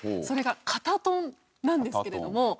それが肩トンなんですけれども。